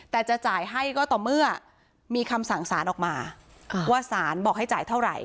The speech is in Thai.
แต่จะจ่ายให้ก็ต่อเมื่อมีคำสั่งสารออกมาว่าสารบอกให้จ่ายเท่าไหร่